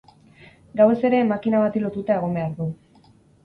Gauez ere makina bati lotuta egon behar du.